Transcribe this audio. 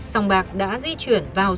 sòng bạc đã di chuyển vào